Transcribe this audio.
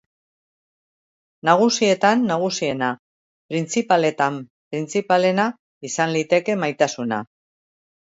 Nagusietan nagusiena, printzipaletan printzipalena, izan liteke, maitasuna.